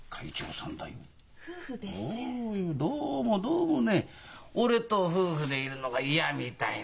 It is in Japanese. どうもどうもね俺と夫婦でいるのが嫌みたいなんだな